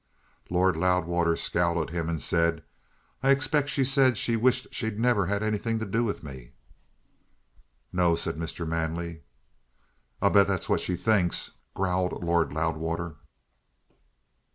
Lord Loudwater scowled at him and said: "I expect she said she wished she'd never had anything to do with me." "No," said Mr. Manley. "I'll bet that's what she thinks," growled Lord Loudwater.